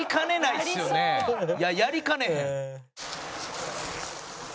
いややりかねへん。